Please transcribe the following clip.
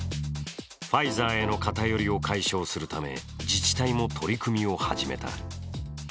ファイザーへの偏りを解消するため自治体も取り組みを始めた。